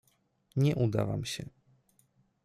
Nie uda wam się.